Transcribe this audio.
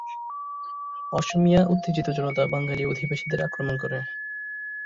অসমীয়া উত্তেজিত জনতা বাঙালি অধিবাসীদের আক্রমণ করে।